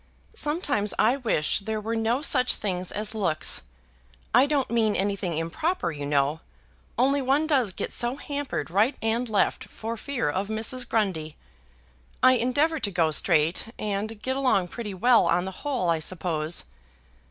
Sometimes I wish there were no such things as looks. I don't mean anything improper, you know; only one does get so hampered, right and left, for fear of Mrs. Grundy. I endeavour to go straight, and get along pretty well on the whole, I suppose.